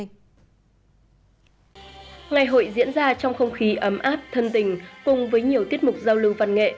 ngày hội diễn ra trong không khí ấm áp thân tình cùng với nhiều tiết mục giao lưu văn nghệ